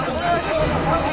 ayo rampas semua